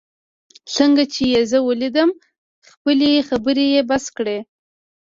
څنګه چي یې زه ولیدم، خپلې خبرې یې بس کړې.